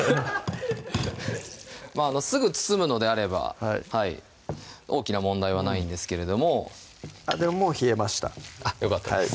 すぐ包むのであれば大きな問題はないんですけれどもあっでももう冷えましたよかったです